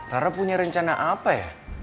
karena punya rencana apa ya